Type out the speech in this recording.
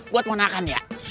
buat ponakan ya